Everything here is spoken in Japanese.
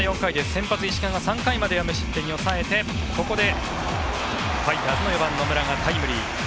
先発、石川が３回まで無失点に抑えてここでファイターズの４番、野村がタイムリー。